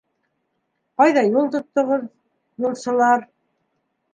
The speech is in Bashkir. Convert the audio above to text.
- Ҡайҙа юл тоттоғоҙ, юлсылар?